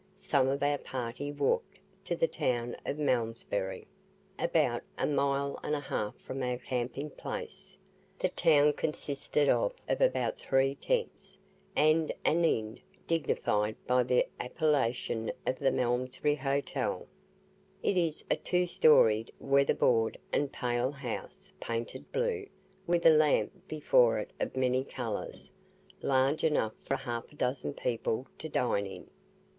Some of our party walked to the town of Malmsbury, about a mile and a half from our camping place. The town consisted of about three tents, and an inn dignified by the appellation of the "Malmsbury Hotel". It is a two storied, weather board, and pale house, painted blue, with a lamp before it of many colours, large enough for half a dozen people to dine in.